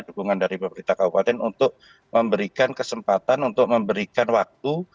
dukungan dari pemerintah kabupaten untuk memberikan kesempatan untuk memberikan waktu